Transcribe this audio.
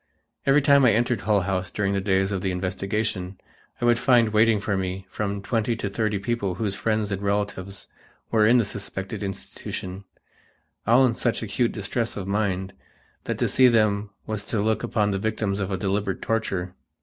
Every time I entered Hull House during the days of the investigation, I would find waiting for me from twenty to thirty people whose friends and relatives were in the suspected institution, all in such acute distress of mind that to see them was to look upon the victims of deliberate torture.